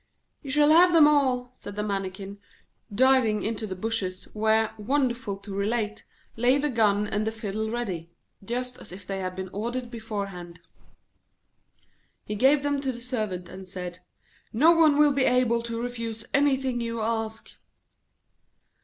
'You shall have them all,' said the Mannikin, diving into the bushes, where, wonderful to relate, lay the gun and the fiddle ready, just as if they had been ordered beforehand. He gave them to the Servant, and said: 'No one will be able to refuse anything you ask.'